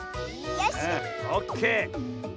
オッケー。